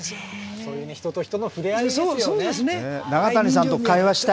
そういう人と人との触れ合いですよね。